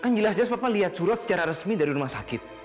kan jelas jelas bapak lihat surat secara resmi dari rumah sakit